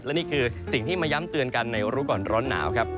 และนี่คือสิ่งที่มาย้ำเตือนกันในรู้ก่อนร้อนหนาวครับ